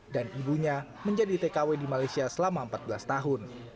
dan ibunya menjadi tkw di malaysia selama empat belas tahun